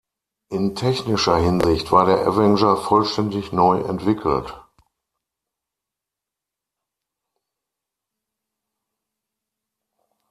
In technischer Hinsicht war der Avenger vollständig neu entwickelt.